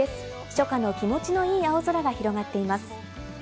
初夏の気持ちの良い青空が広がっています。